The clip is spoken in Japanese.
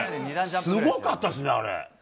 すごかったですね。